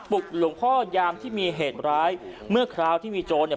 หลวงพ่อยามที่มีเหตุร้ายเมื่อคราวที่มีโจรเนี่ย